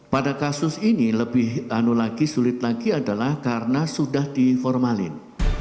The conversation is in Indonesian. pada kasus ini lebih sulit lagi adalah karena sudah diformalin